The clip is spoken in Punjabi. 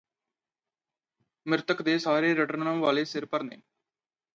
ਮਿਰਤਕ ਦੇ ਸਾਰੇ ਰੀਟਰਨ ਵੇਲੇ ਸਿਰ ਭਰਨੇ